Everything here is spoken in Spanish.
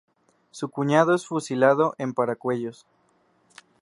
Su cuñado es fusilado en Paracuellos.